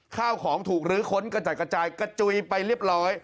ข้าวของถูกลื้อค้นกระจัดกระจายกระจุยไปเรียบร้อย